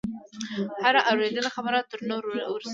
هره اورېدلې خبره تر نورو ورسوي.